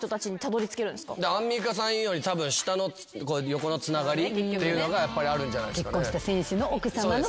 アンミカさん言うようにたぶん横のつながりっていうのがやっぱりあるんじゃないですかね。